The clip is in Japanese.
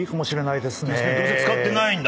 どうせ使ってないんだったらね。